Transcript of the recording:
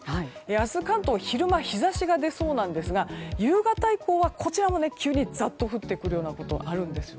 明日、関東は昼間日差しが出そうなんですが夕方以降はこちらも急にザッと降ってくるようなことがあるんです。